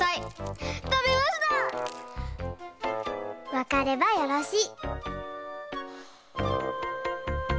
わかればよろしい。